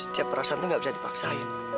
setiap perasaan tuh gak bisa dipaksain